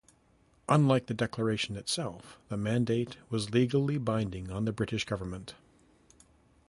Unlike the declaration itself, the Mandate was legally binding on the British Government.